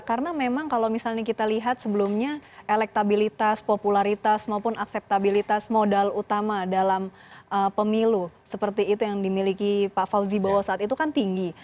karena memang kalau misalnya kita lihat sebelumnya elektabilitas popularitas maupun akseptabilitas modal utama dalam pemilu seperti itu yang dimiliki pak fauzi bawosat itu kan tinggi